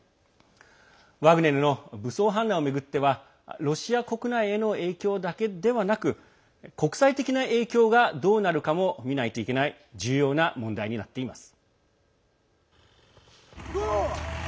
ワグネルの武装反乱を巡ってはロシア国内への影響だけではなく国際的な影響がどうなるかも見ないといけない重要な問題になっています。